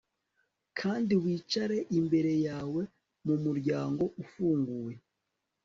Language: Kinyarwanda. Kandi wicare imbere yawe mumuryango ufunguye